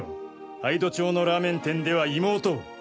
杯戸町のラーメン店では妹を。